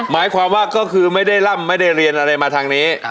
หมายความว่าก็คือไม่ได้ร่ำไม่ได้เรียนอะไรมาทางนี้